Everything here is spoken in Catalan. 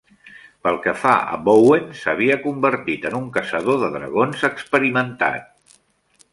Pel que fa a Bowen, s'havia convertit en un caçador de dragons experimentat.